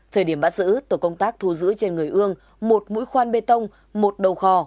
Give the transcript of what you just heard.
thời điểm bắt giữ tổ công tác thu giữ trên người ương một mũi khoan bê tông một đầu khò